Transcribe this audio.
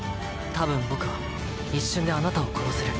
多分僕は一瞬であなたを殺せる